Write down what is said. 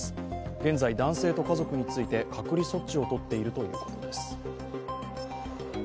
現在男性と家族について隔離措置を取っているということです。